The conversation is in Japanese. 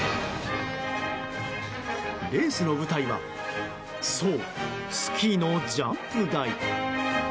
レースの舞台はそう、スキーのジャンプ台。